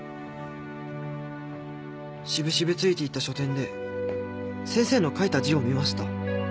渋々ついていった書展で先生の書いた字を見ました。